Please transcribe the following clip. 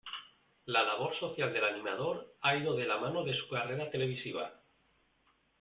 La labor social del animador ha ido de la mano de su carrera televisiva.